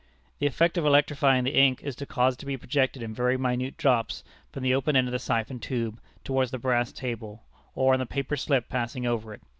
The effect of electrifying the ink is to cause it to be projected in very minute drops from the open end of the siphon tube, towards the brass table or on the paper slip passing over it.